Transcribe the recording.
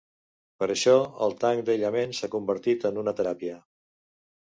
Per això, el tanc d'aïllament s'ha convertit en una teràpia.